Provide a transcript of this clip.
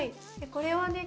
これはね